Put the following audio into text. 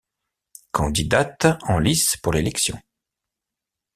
Candidates en lice pour l'élection.